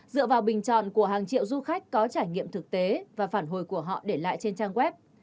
dựa vào bình chọn của hàng triệu du khách có trải nghiệm thực tế và phản hồi của họ để lại trên trang web